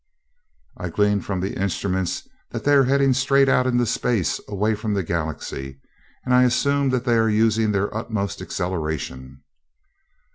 "I glean from the instruments that they are heading straight out into space away from the Galaxy, and I assume that they are using their utmost acceleration?"